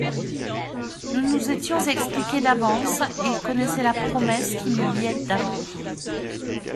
Nous nous étions expliqués d'avance, il connaissait la promesse, qui me liait à vous.